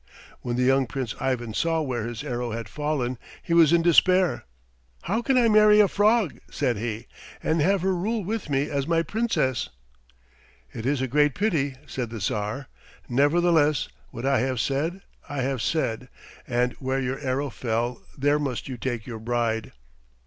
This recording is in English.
When the young Prince Ivan saw where his arrow had fallen he was in despair. "How can I marry a frog," said he, "and have her rule with me as my Princess?" "It is a great pity," said the Tsar; "nevertheless what I have said I have said, and where your arrow fell there must you take your bride."